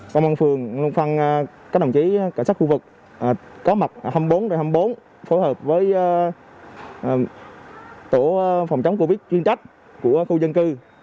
công an phường luôn phân các đồng chí cảnh sát khu vực có mặt hai mươi bốn hai mươi bốn phối hợp với tổ phòng chống covid chuyên trách của khu dân cư